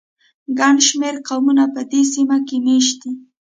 ګڼ شمېر قومونه په دې سیمه کې مېشت دي.